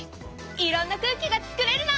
いろんな空気がつくれるの！